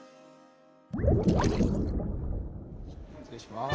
失礼します。